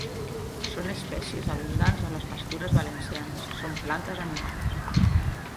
Són espècies abundants a les pastures valencianes. Són plantes anuals.